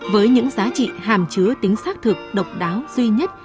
với những giá trị hàm chứa tính xác thực độc đáo duy nhất